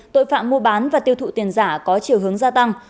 tội phạm mua bán và tiêu thụ tiền giả có chiều hướng gia tăng